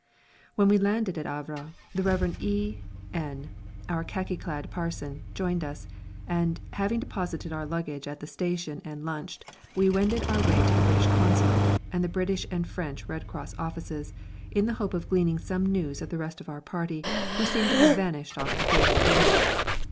When we landed at Havre the Rev. E N , our khaki clad parson, joined us; and, having deposited our luggage at the station and lunched, we wended our way to the British Consulate, and British and French Red Cross offices, in the hope of gleaning some news of the rest of our party, who seemed to have vanished off the face of the globe.